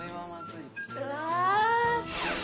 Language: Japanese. うわ。